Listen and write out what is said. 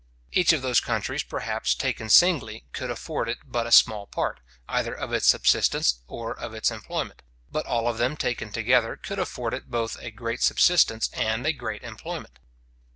Each of those countries, perhaps, taken singly, could afford it but a small part, either of its subsistence or of its employment; but all of them taken together, could afford it both a great subsistence and a great employment.